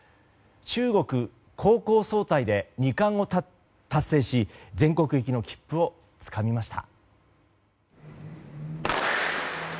中国高校総体で２冠を達成し全国行きの切符をつかみました。